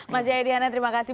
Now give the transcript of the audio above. mas jaya dianya terima kasih